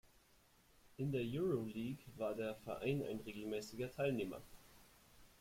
In der Euroleague war der Verein ein regelmäßiger Teilnehmer.